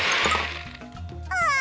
ああ！